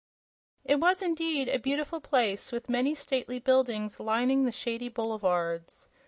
It was indeed a beautiful place, with many stately buildings lining the shady boulevards.